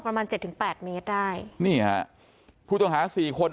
ประมาณเจ็ดถึงแปดเมตรได้นี่ฮะผู้ต้องหาสี่คนอ่ะ